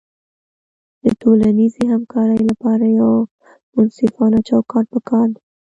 د ټولنیزې همکارۍ لپاره یو منصفانه چوکاټ پکار دی.